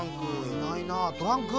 いないなトランク。